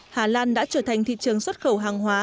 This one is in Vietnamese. hà lan đã trở thành thị trường xuất khẩu hàng hóa